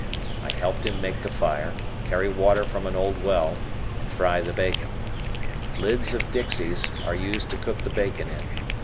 I helped him make the fire, carry water from an old well, and fry the bacon. Lids of dixies are used to cook the bacon in.